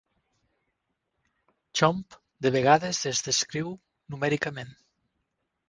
Chomp de vegades es descriu numèricament.